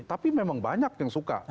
tapi memang banyak yang suka